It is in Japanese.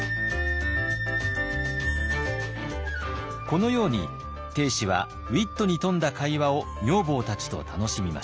このように定子はウイットに富んだ会話を女房たちと楽しみました。